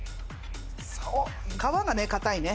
皮がね硬いね